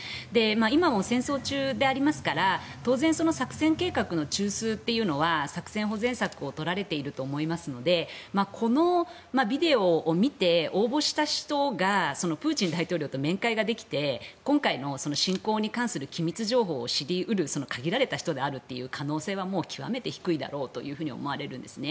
今も戦争中でありますから当然、作戦計画の中枢というのは作戦保全策を取られていると思いますのでこのビデオを見て応募した人がプーチン大統領と面会ができて今回の侵攻に関する機密情報を知り得る限られた人であるという可能性はもう極めて低いだろうと思われるんですね。